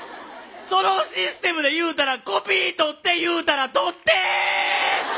そのシステムでいうたらコピーとって言うたらとって！